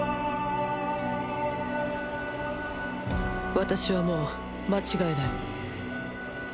私はもう間違えない。